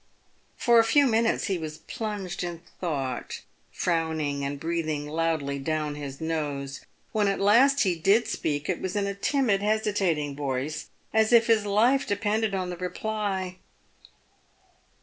For a few minutes he was plunged in thought, PAVED WITH GOLD. 315 frowning and breathing loudly down his nose. "When at last he did speak, it was in a timid, hesitating voice, as if his life depended on the reply.